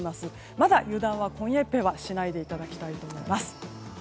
まだ油断は今夜いっぱいはしないでいただきたいと思います。